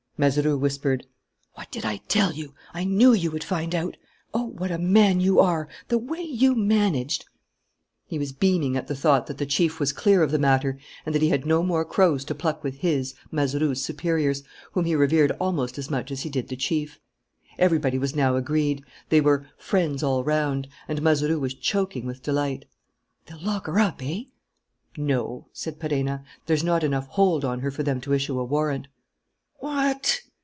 Mazeroux whispered: "What did I tell you? I knew you would find out! Oh, what a man you are! The way you managed!" He was beaming at the thought that the chief was clear of the matter and that he had no more crows to pluck with his, Mazeroux's, superiors, whom he revered almost as much as he did the chief. Everybody was now agreed; they were "friends all round"; and Mazeroux was choking with delight. "They'll lock her up, eh?" "No," said Perenna. "There's not enough 'hold' on her for them to issue a warrant." "What!"